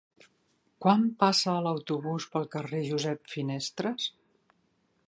Quan passa l'autobús pel carrer Josep Finestres?